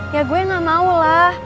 ya gue gak mau lah